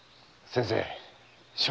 先生。